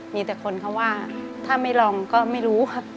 มีแต่คนเขาว่าถ้าไม่ลองก็ไม่รู้ครับ